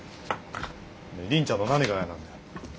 凜ちゃんの何が嫌なんだよ？